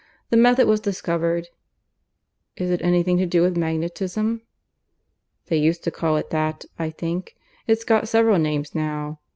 The method was discovered " "Is it anything to do with magnetism?" "They used to call it that, I think. It's got several names now.